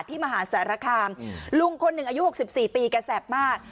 ที่มหาสารคามอืมลุงคนหนึ่งอายุหกสิบสี่ปีกระแสบมาก